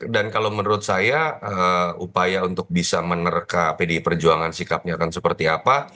dan kalau menurut saya upaya untuk bisa menerka pdi perjuangan sikapnya akan seperti apa